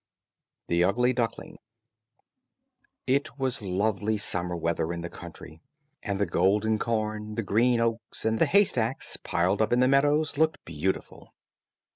THE UGLY DUCKLING It was lovely summer weather in the country, and the golden corn, the green oats, and the haystacks piled up in the meadows looked beautiful.